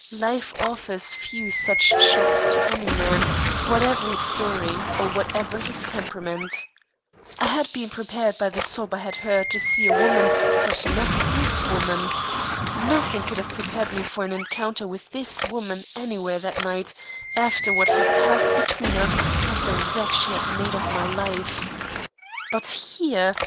Life offers few such shocks to any man, whatever his story or whatever his temperament. I had been prepared by the sob I had heard to see a woman, but not this woman. Nothing could have prepared me for an encounter with this woman anywhere that night, after what had passed between us and the wreck she had made of my life. But here!